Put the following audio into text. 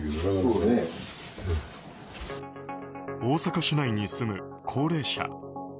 大阪市内に住む高齢者。